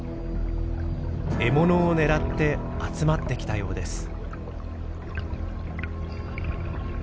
獲物を狙って集まってきたようです。